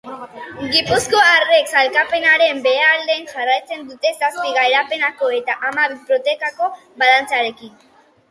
Gipuzkoarrek sailkapenaren behealdean jarraitzen dute zazpi garaipeneko eta hamabi porroteko balantzearekin.